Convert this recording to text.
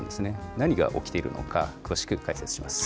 何が起きているのか、詳しく解説します。